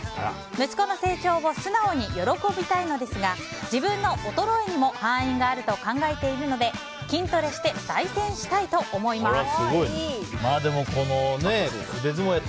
息子の成長を素直に喜びたいのですが自分の衰えにも敗因があると考えているので筋トレして再戦したいと思います。